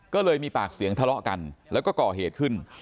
ก็เลยมีปากเสียงทะเลาะกันแล้วก็ก่อเหตุขึ้น